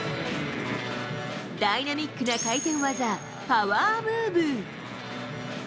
ダイナミックな回転技、パワームーブ。